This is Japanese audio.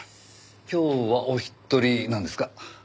今日はお一人なんですか？